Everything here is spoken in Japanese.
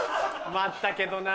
待ったけどな。